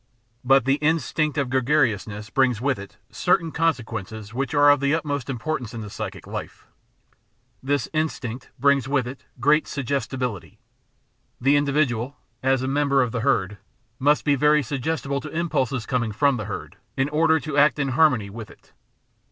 But the instinct of gregariousness brings with it certain con sequences which are of the utmost importance in the psychic life of man. This instinct brings with it great suggestibility. The individual, as a member of the herd, must be very suggestible to impulses coming from the herd, in order to act in harmony with it.